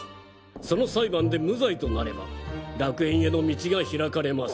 その裁判で無罪となれば楽園への道が開かれます。